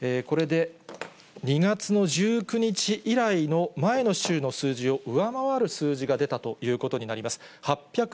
これで２月の１９日以来の前の週の数字を上回る数字が出たということになります。